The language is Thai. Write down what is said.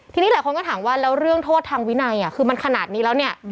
ทีนี้หลายคนก็ถามว่าแล้วเรื่องโทษทางวินัยคือมันขนาดนี้แล้วเนี่ย